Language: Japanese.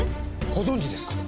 ご存じですか？